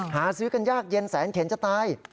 หาซื้อกันยากเย็นแสนเข็นจะตาย